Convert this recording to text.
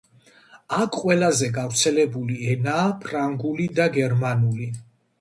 აქ ყველაზე გავრცელებული ენაა ფრანგული და გერმანული.